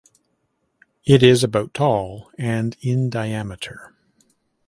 It is about tall and in diameter.